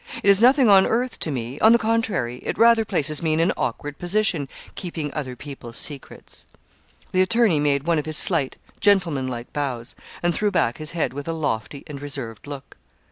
It is nothing on earth to me; on the contrary, it rather places me in an awkward position keeping other people's secrets.' The attorney made one of his slight, gentlemanlike bows, and threw back his head with a lofty and reserved look.